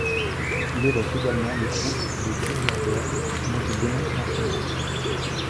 Il évoque également le groupe de Bilderberg dont il dénonce l'influence.